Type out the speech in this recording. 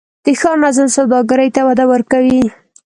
د ښار نظم سوداګرۍ ته وده ورکوي؟